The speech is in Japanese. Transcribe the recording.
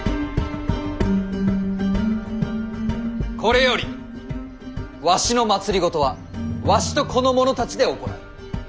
これよりわしの政はわしとこの者たちで行う。